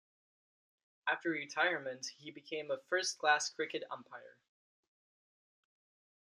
After retirement he became a first-class cricket umpire.